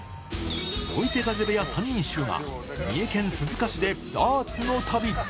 追手風部屋三人衆が、三重県鈴鹿市でダーツの旅。